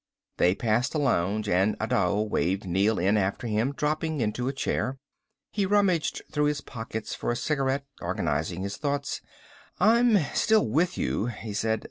They passed a lounge, and Adao waved Neel in after him, dropping into a chair. He rummaged through his pockets for a cigarette, organizing his thoughts. "I'm still with you," he said.